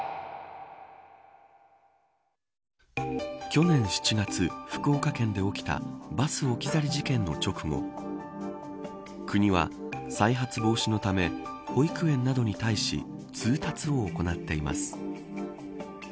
去年７月、福岡県で起きたバス置き去り事件の直後国は、再発防止のため保育園などに対し通達を行っています。